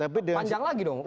panjang lagi dong